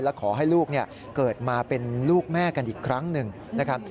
และขอให้ลูกเกิดมาเป็นลูกแม่กันอีกครั้งหนึ่งนะครับ